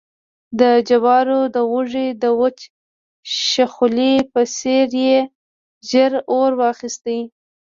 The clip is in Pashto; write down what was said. د جوارو د وږي د وچ شخولي په څېر يې ژر اور واخیست